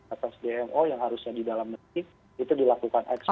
atas dmo yang harusnya di dalam negeri itu dilakukan ekspor